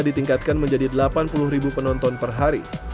ditingkatkan menjadi delapan puluh ribu penonton per hari